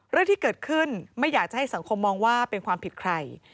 เรื่องที่เกิดขึ้นไม่อยากจะให้สังคมมองว่าเป็นความผิดใคร